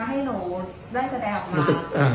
เอาไว้ตรงเอลเพื่อว่าพอในคลิปมีการกรดสั่น